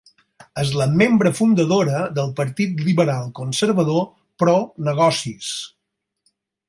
És la membre fundadora del Partit Liberal conservador pro-negocis.